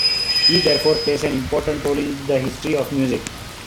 He therefore plays an important role in the history of music.